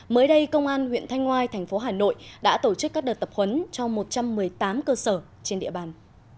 mới đây công an huyện thanh ngoai thành phố hà nội đã tổ chức các đợt tập huấn cho một trăm một mươi tám cơ sở trên địa bàn